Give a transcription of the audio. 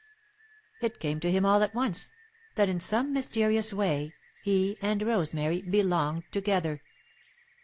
It came to him, all at once, that, in some mysterious way, he and Rosemary belonged together.